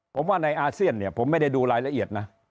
ผมว่าในอาเซียนเนี่ยผมไม่ได้ดูรายละเอียดนะ